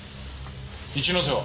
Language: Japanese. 一ノ瀬は？